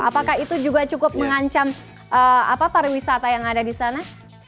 apakah itu juga cukup mengancam apa pariwisata yang ada disana